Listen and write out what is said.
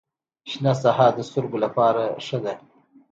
شنه ساحه د سترګو لپاره ښه ده.